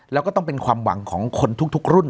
แล้วก็ต้องเป็นความหวังของคนทุกรุ่น